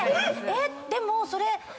えっ⁉でもそれ。